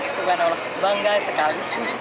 subhanallah bangga sekali